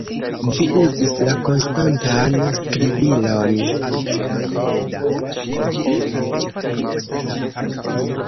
Vi uzis la konstantan skribilon!